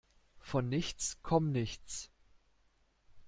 Von nichts komm nichts.